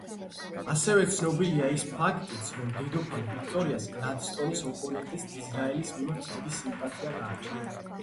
ასევე ცნობილია ის ფაქტიც, რომ დედოფალ ვიქტორიას გლადსტონის ოპონენტის, დიზრაელის მიმართ დიდი სიმპათია გააჩნდა.